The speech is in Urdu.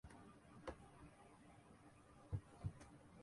international challenge hockey cup Australia نے پاکستان کو سے شکست دے دی